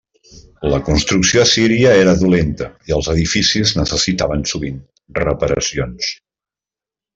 La construcció assíria era dolenta i els edificis necessitaven sovint reparacions.